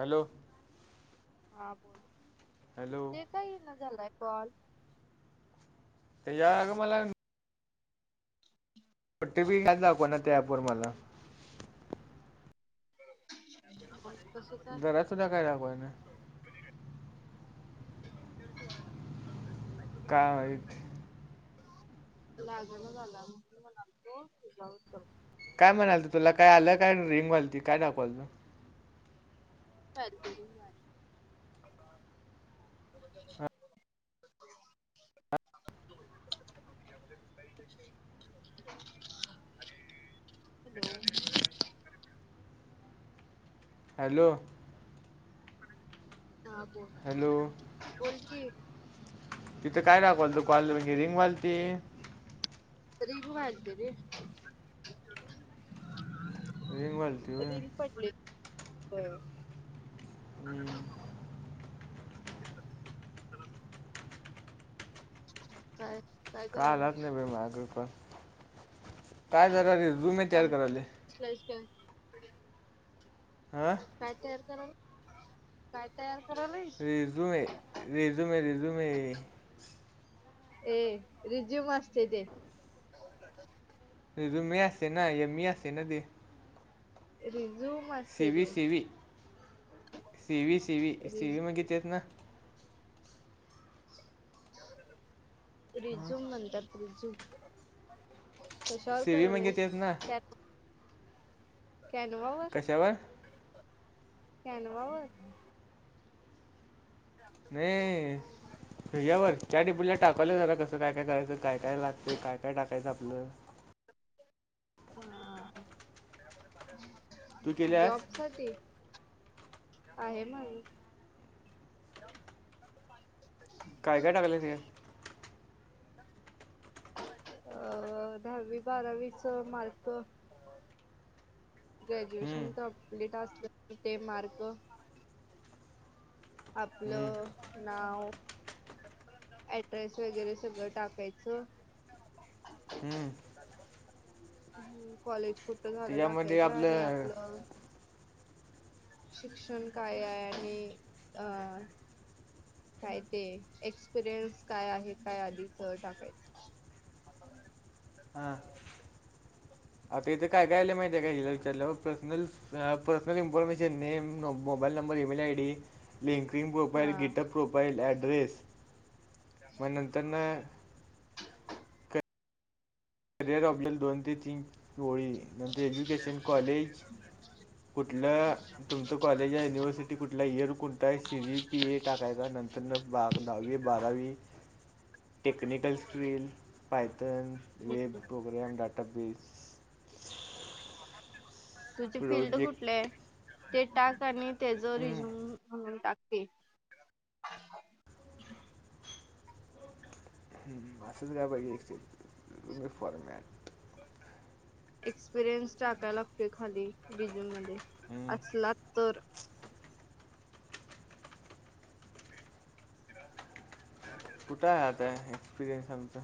Hello! हा बोल hello! का इना झालाय कॉल हयाच्यावर या अगं मला- ओटीपी ह्यात दाखव ना त्या ऍप वर मला कस काय? [inaudible] काय माहित लागना झाला.. म्हणून म्हणालतो तुझ्या वरून कर काय म्हणालती तर तुला काय आल्या काय रिंग व्हालति काय दाकवालत [unintelligible] [unintelligible] [unintelligible] हॅलो! हॅलो! हा बोल हॅलो बोल की. तिथं काय दाखवालत, कॉल वगैरे रिंग व्हालती रिंग व्हालती रे. रिंग वालती होय रिंग पडली, होय. हम्. काय, काय काय आलाच करायलायस नाही बाई माझं पण, काय जरा रेझूमे तयार काम करालोय. [unintelligible] आ काय तयार करालाय, [inaudible] काय तयार करालाईस? झूमे, रेझूमे, रेझूमे. ए, रिझ्यूम असते ते. रेझूमे असतंय ना, एम इ असतंय ना ते. रिझूम सी असते व्ही ते. C V C V, C V, C रिज व्ही म्हणजे तेच ना.. हां रिझूम म्हणतात रिझूम. कशावर सीवी म्हणजे करालाईस? तेच ना त्या- कॅनवावर, कशावर कॅनवावर? न्हये, ह्याच्यावर चाट जीपीटीला टाकालोय जरा कसं काय काय करायचं, काय काय लागतंय, काय काय टाकायचं आपलं. हा, तू केल्यास जॉब साठी. आहे मंग. काय काय टाकलंय त्यात? अ, दहावी-बारावीच मार्क हम्म, ग्रॅज्युएशन कम्प्लीट असलं ते मार्क. हम्म, आपलं नाव, ऍड्रेस वगैरे सगळं टाकायचं. हम्म- आणि कॉलेज कुठं झालं टाकायचं, आणि आपलं शिक्षण काया आहे अं काय ते, एक्सपिरियन्स काय आहे काय आधीच टाकायचं. हा, आता इथे काय, काय आलंय माहितीये काय हिला विचारल्यावर personal personal information, name, mobile number, email, ID linking profile, हा गिटहब प्रोफाईल, ऍड्रेस मग नंतर न करिअर ऑबनल दोन ते तीन ओळी नंतर एज्युकेशन कॉलेज. कुठलं तुमचं कॉलेज आहे युनिव्हर्सिटी कुठलाय, इयर कोणता आहे, सी जी पी ए टाकायचा नंतर [unintelligible] दहावी-बारावी [inaudible] technical skill, Python, web, program, database. तुझी फिल्ड प्रोजेक्ट कुठलीये, ते टाक आणि त्याचं रिझ्यूम म्हणून टाक ते. हम्, असंच घ्या पाहिजे एक्सचेंज मग फॉरमॅट. एक्सपिरियन्स टाकायला लागतोय खाली, रिझूम मध्ये असला तरं. [inaudible] [unintelligible] कुठ आहे आता एक्सपिरियनस आमचा.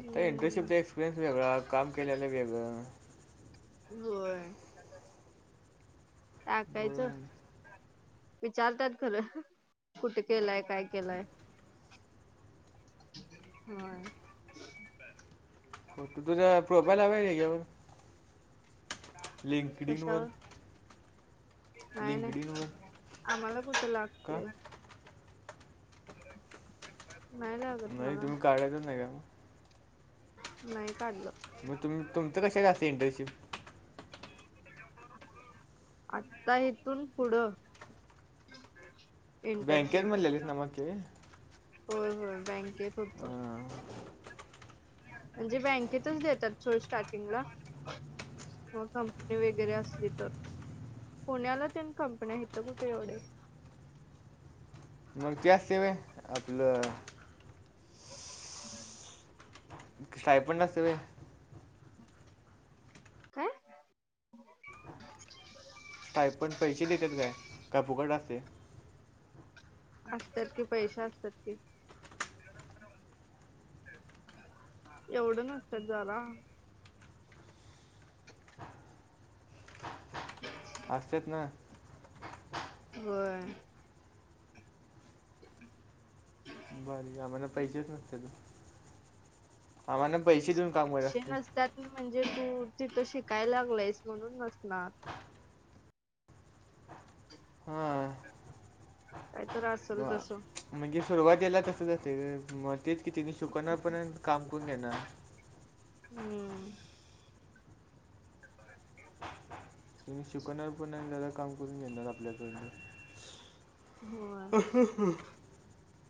आता इंटर्नशिपचा एक्सपिरियन्स वेगळा काम केलेलं वेगळं. होय, टाकायचं. बरं. विचारतात खरं कुठे केलंय? काय केलंय? व्हय फोटो तुझा प्रोफाइल हाय व्हय ह्याच्यावर लिंकडीन वर नाय नाय, आम्हाला कुठं का लागतंय. नाई लागतं मला. काढायचच नाही काय मग नाही काढलं मग तुम्ही तुमचं कशी काय असते इंटनशिप आत्ता इथून पुढं बँकेत इंटर्नशिप, म्हणलेलीस ना मागच्या वेळी होय होय बँकेत होतो अं, म्हणजे बँकेतच देतात सोड स्टार्टिंगला. मग कंपनी वगैरे असली तर पुण्याला तेन कंपन्या, हित कुठे एवढे मग ते असतंय व्हय आपल [inaudible] स्टायपंड नसतंय व्हय काय? स्टाईपण्ड पैसे देतात काय? का फुकट असतय असतात कि पैसे असतात कि एवढं नसत्यात जरा [unintelligible] असत्यात ना व्हय. [inaudible] भारी कामं आहे ना पैसेच नसत्यात, आम्हाला पैसे देऊन काम करायच असतय त्यात म्हणजे तू तिथं शिकायला लागलायस म्हणून नसणार. हा काय तर असल तसं. म्हणजे सुरुवातिला तसच असतय ग म तेच कि तेनी शिकवणार पण आणि काम करून घेणार. हम्म त्यांनी शिकवणार पण आणि ज्यादा काम करून घेणार आपल्या होय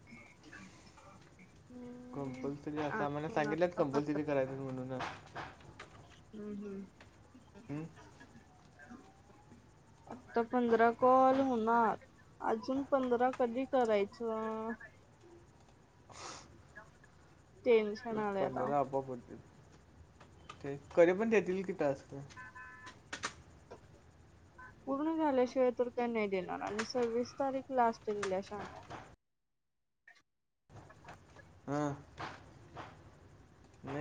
[inaudible] कंपल्सरी अस आम्हाला अजून सांगितल्यात आता पंधरा कंपल्सरी करायचच म्हणून हम्म हम्म हं आता पंधरा कॉल होणार अजून पंधरा कधी करायचं टेन्स ते पंधरा आपोआप होत्यात, ते कधी पण देतील कि टास्क [inaudible] पूर्ण झाल्याशिवाय तर काय नाय देणार आणि सव्वीस तारीख लास्ट दिल्या शान्या. हा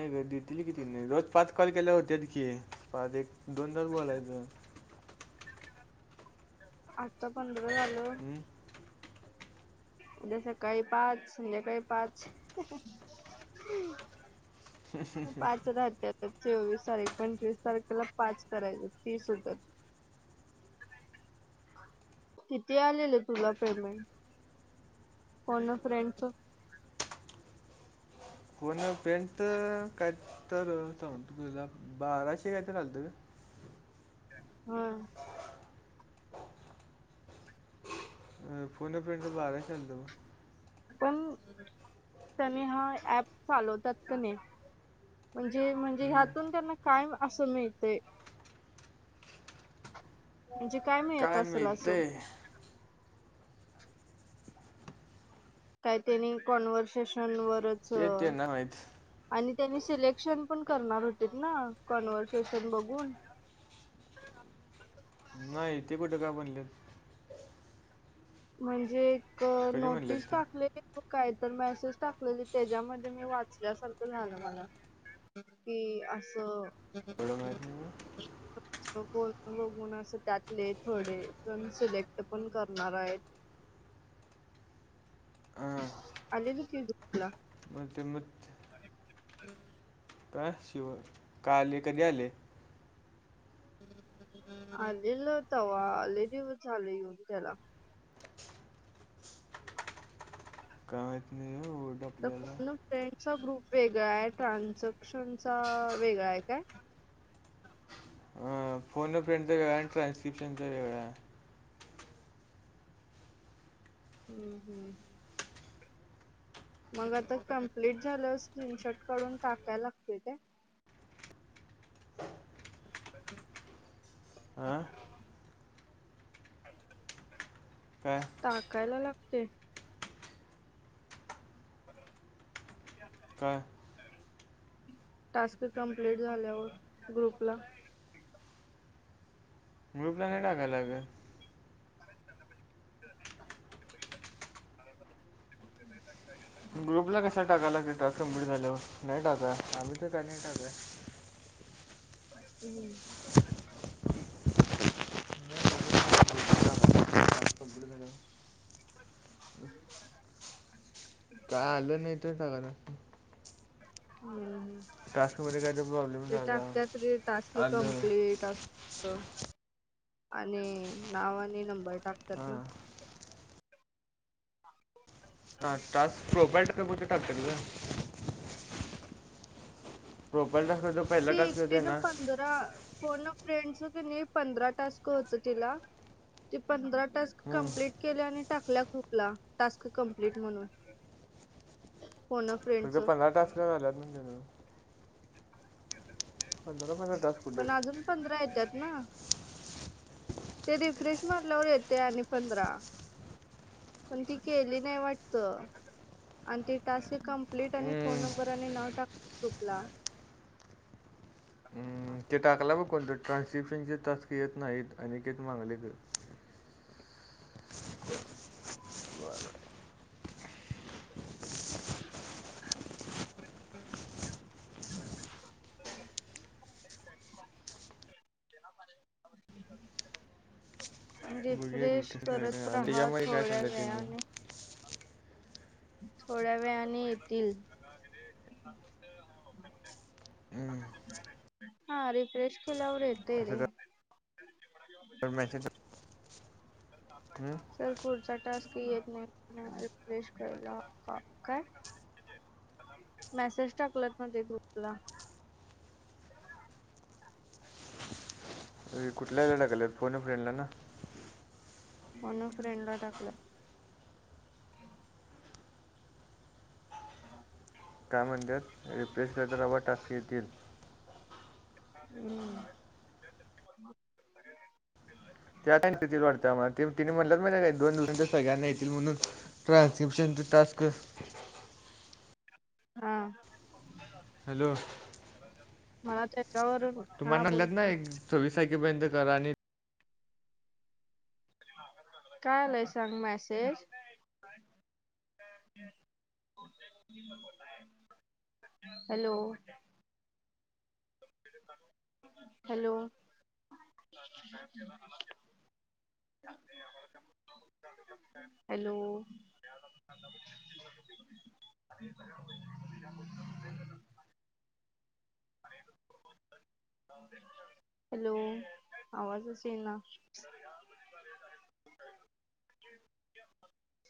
नाही घरी देतील की तेनी रोज पाच कॉल केल्यावर होत्यात की पाच एक -दोनदा बोलायचं आत्ता पंधरा झालं हं? उद्या सकाळी पाच, संध्याकाळी पाच. पाच राहत्यातं. चोवीस आणि तारीख पंचवीस तारखेला पाच करायचं, तीस होतात. कितीे आलेलं, तुला पेमेंट? फोन अ फ्रेंडचं. फोन अ फ्रेंडचं काय तर, थांब तुला दाखवतो, बाराशे कायतरी आलतं गं. हं! फोन अ फ्रेंडचं बाराशे आलतं मला. पण, त्यानी हा ऍप चालवतात कनई म्हणजे म्हणजे, हं. ह्यातून त्यांना काय असं मिळतंय? म्हणजे काय मिळत आसंल आसं. काय त्यांनी कॉन्व्हर्सेशनवरच ते त्यांना माहीत आणि त्यानी सिलेक्शन पण करणार होतेत ना, कॉन्व्हर्सेशन बघून. नाई, ते कुटं काय म्हणलेत. म्हणजे, एक कधी नोटीस म्हणलेत ते टाकलेली ग्रु कायतर मेसेज टाकलेली, त्याज्यामदे मी वाचल्यासारखं झालं मला. की, आसं एवढं माहीत नाही बघ. बघून असं, त्यातले थोडे जण सिलेक्ट पण करणारेत. हां आलेली की ग्रुपला. [unintelligible] [unintelligible] काशीवंन का आले, कधी आले आ दिलं तवा, लई दिवस झाले, येऊन त्याला. [unintelligible] आपल्याला फोन अ फ्रेंडचा ग्रुप वेगळाय, ट्रान्झक्शनचा वेगळायं काय? हा फोन अ फ्रेंडचा वेगळायं आणि ट्रान्स्क्रिपशनचा वेगळायं. हूं हूं. मग आता कम्प्लिट झाल्यावर, स्क्रिनशॉट काढून टाकायला लागतंय काय? आ? टाकायला लागतंय. काय? टास्क कंप्लीट झाल्यावर, ग्रुपला. ग्रुपला नाही टाकायला लागेल [unintelligible] [unintelligible] ग्रुपला कशाला टाका लागली, टास्क कम्प्लिट झाल्यावर, नाही टाका. आम्ही तर काय नाय टाका. हूं! कम्प्लीट झाल्यावर. [unintelligible] काय आलं नाही तर [unintelligible] होय. टास्कमध्ये काय तर प्रॉब्लेम ते झाला टाकत्यात रे, टास्क आलं कंम्प्लिट हो, आणि नाव आणि नंबर टाकतात ना? हां हा टास्क प्रोबाइल्ट का कुठे टाकत्यात गं प्रोफाईलला सगळं ती एकटीनं पंधरा, फोन अ फ्रेंडचं किनी, पंधरा टास्क होतं तिला ते पंधरा टास्क हम्म, कंप्लीट केले आणि टाकल्या ग्रुपला, टास्क कंप्लीट म्हणून हो न. [unintelligible] पंधरा टास्का झाल्यात तुमच्यामुळे. पंधरा पंधरा टास्क कुठे पण आजून पंधरा येत्यात ना. ते रिफ्रेश मारल्यावर येत्या आणि पंधरा. पण ती केली नाही वाटत. आणि ते टास्क कम्प्लीट आणि हम्म, फोन नंबर आणि नाव टाका ग्रुपला. हम्म, ते टाकला बघ कोणी तरी ट्रान्स्क्रिप्शनचे टास्क येत नाहीत आणि ते तुम्हाला देतात. [inaudible] [unintelligible] [unintelligible] बघूया की रिफ्रेश कसं काय करत काय आणि रहा त्याच्यामध्ये काय थोड्या सांगितलं त्यांनी वेळाने थोड्या वेळाने येतील. हम्म, हा रिफ्रेश केलावर येतय असं रे. काय [unintelligible] [unintelligible] सर पुढचा टास्क येत नाही रिफ्रेश कराला का काय? मॅसेज टाकलात ना ते ग्रुपला? हे कुठल्या [unintelligible] लागालेत फोन ए फ्रेडला ना. फोन ए फ्रेंड ला टाकलय. [inaudible] काय म्हणत्यात? रिफ्रेश करत राहा व टास्क येतील. हुं. त्या [unintelligible] किती भेटत्या मग तिव तिनी म्हणल्यात बराय एक दोन दिवसांच्या आत सगळ्यांना येतील म्हणून. ट्रांसक्रिप्शनच टास्क. हां. हॅलो. मला तेच्यावरही होत. तुम्हाला लग्नय सव्वीस तारखेपर्यंत करा आणि काय आलाय सांग message? [inaudible] Hello. [inaudible] Hello. [inaudible] [inaudible] Hello. [inaudible] [inaudible] Hello आवाजच येईना.